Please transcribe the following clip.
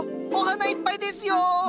お花いっぱいですよ！